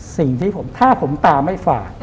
สิ่งที่ผมถ้าผมตาไม่ฝาด